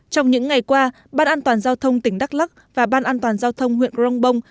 trong những ngày qua ban an toàn giao thông tỉnh đắk lắc và ban an toàn giao thông huyện crong bông